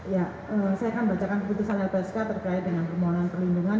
ya saya akan bacakan keputusan lpsk terkait dengan permohonan perlindungan